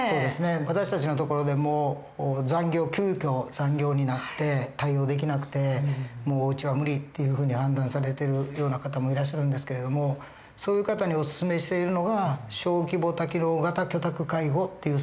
私たちのところでも急きょ残業になって対応できなくて「もううちは無理」っていうふうに判断されてるような方もいらっしゃるんですけれどもそういう方にお薦めしているのが小規模多機能型居宅介護っていうサービスなんですね。